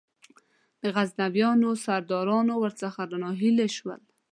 د غزنویانو سرداران ور څخه ناهیلي شول.